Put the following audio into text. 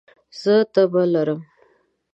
زه تبه لرم